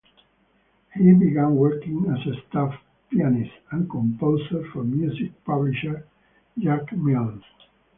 He began working as a staff pianist and composer for music publisher Jack Mills.